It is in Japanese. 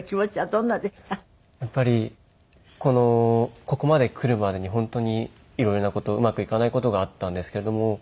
やっぱりここまで来るまでに本当に色々な事うまくいかない事があったんですけれども。